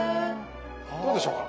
どうでしょうか？